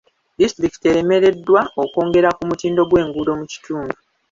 Disitulikiti eremereddwa okwongera ku mutindo gw'enguudo mu kitundu.